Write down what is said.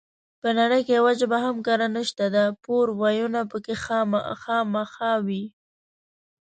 په نړۍ کې يوه ژبه هم کره نشته ده پور وييونه پکې خامخا وي